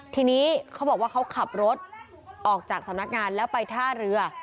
ทีนี้เขาบอกว่าเขาขับรถออกจากสำนักงานแล้วไปท่าเรือ